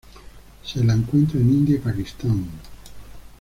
Se la encuentra en India y Pakistán.